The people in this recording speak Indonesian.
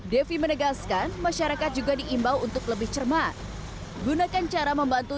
devi menegaskan masyarakat juga diimbau untuk lebih cermat gunakan cara membantu